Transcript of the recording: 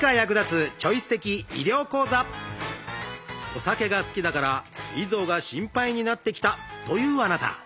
お酒が好きだからすい臓が心配になってきたというあなた。